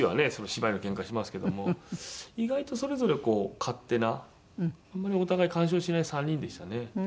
芝居のけんかしますけども意外とそれぞれこう勝手なあんまりお互い干渉しない３人でしたね。